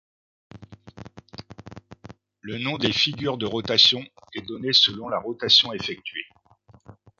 Le nom des figures de rotation est donné selon la rotation effectuée.